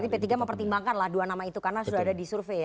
berarti p tiga mempertimbangkan lah dua nama itu karena sudah ada di survei ya